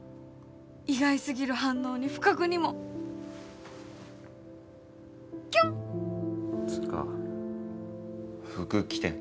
意外すぎる反応に不覚にもつぅか服着て。